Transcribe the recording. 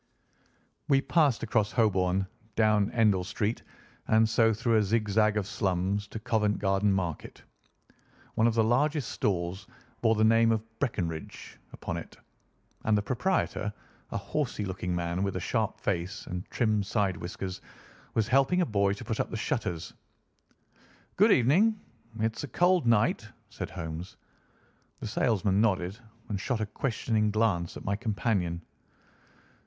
We passed across Holborn, down Endell Street, and so through a zigzag of slums to Covent Garden Market. One of the largest stalls bore the name of Breckinridge upon it, and the proprietor a horsey looking man, with a sharp face and trim side whiskers was helping a boy to put up the shutters. "Good evening. It's a cold night," said Holmes. The salesman nodded and shot a questioning glance at my companion.